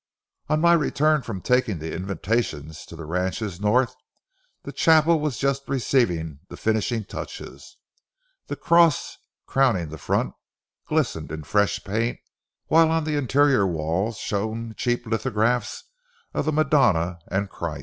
On my return from taking the invitations to the ranches north, the chapel was just receiving the finishing touches. The cross crowning the front glistened in fresh paint, while on the interior walls shone cheap lithographs of the Madonna and Christ.